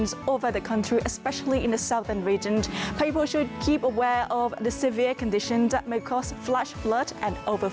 ขอบคุณทุกคนตอนนี้ค่ะสวัสดีค่ะ